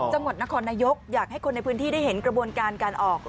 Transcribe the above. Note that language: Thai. จังหวัดนครนายกอยากให้คนในพื้นที่ได้เห็นกระบวนการการออก